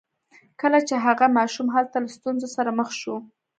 کله چې هغه ماشوم هلته له ستونزو سره مخ شو